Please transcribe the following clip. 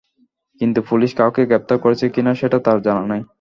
কিন্তু পুলিশ কাউকে গ্রেপ্তার করেছে কি না, সেটা তাঁর জানা নেই।